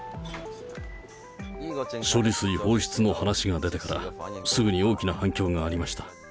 処理水放出の話が出てから、すぐに大きな反響がありました。